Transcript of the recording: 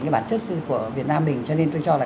cái bản chất của việt nam mình cho nên tôi cho là